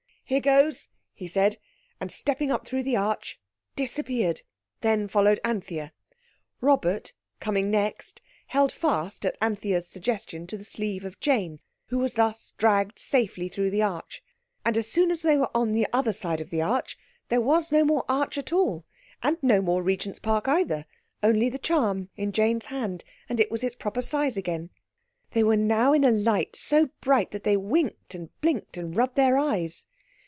"Here goes!" he said, and, stepping up through the arch, disappeared. Then followed Anthea. Robert, coming next, held fast, at Anthea's suggestion, to the sleeve of Jane, who was thus dragged safely through the arch. And as soon as they were on the other side of the arch there was no more arch at all and no more Regent's Park either, only the charm in Jane's hand, and it was its proper size again. They were now in a light so bright that they winked and blinked and rubbed their eyes.